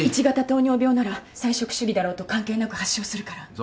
１型糖尿病なら菜食主義だろうと関係なく発症するから。